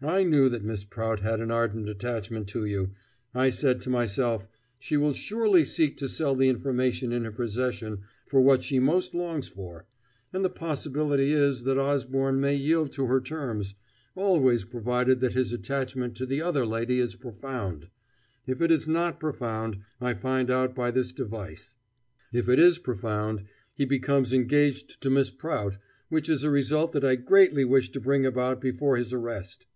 I knew that Miss Prout had an ardent attachment to you; I said to myself: 'She will surely seek to sell the information in her possession for what she most longs for, and the possibility is that Osborne may yield to her terms always provided that his attachment to the other lady is profound. If it is not profound, I find out by this device; if it is profound, he becomes engaged to Miss Prout, which is a result that I greatly wish to bring about before his arrest.'"